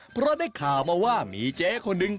เพราะได้ข่าวมาว่ามีเจ๊คนหนึ่ง